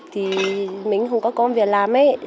thì mình không có công việc làm ấy